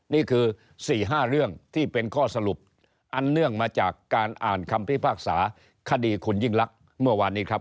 นี่คือ๔๕เรื่องที่เป็นข้อสรุปอันเนื่องมาจากการอ่านคำพิพากษาคดีคุณยิ่งลักษณ์เมื่อวานนี้ครับ